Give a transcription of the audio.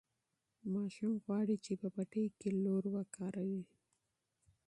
ماشوم غواړي چې په پټي کې لور وکاروي.